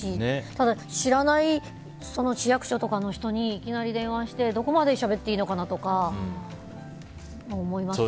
ただ、知らない市役所の人にいきなり電話をしてどこまでしゃべっていいのかなとかも思いますし。